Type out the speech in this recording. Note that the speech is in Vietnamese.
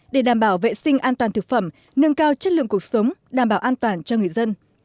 để đảm bảo vệ sinh an toàn thực phẩm nâng cao chất lượng cuộc sống đảm bảo an toàn cho người dân